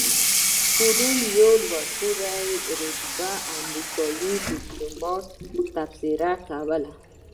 پرون یو لوړ رتبه امریکایي دیپلومات تبصره کوله.